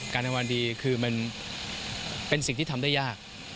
รางวัลดีคือมันเป็นสิ่งที่ทำได้ยาก